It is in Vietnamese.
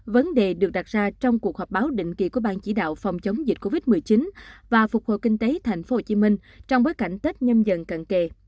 vấn đề được đặt ra trong cuộc họp báo định kỳ của ban chỉ đạo phòng chống dịch covid một mươi chín và phục hồi kinh tế thành phố hồ chí minh trong bối cảnh tách nhâm dần cận kề